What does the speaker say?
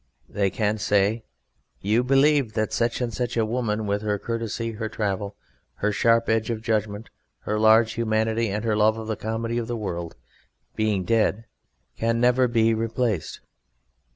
They can say: "You believe that such and such a woman, with her courtesy, her travel, her sharp edge of judgment, her large humanity, and her love of the comedy of the world, being dead can never be replaced.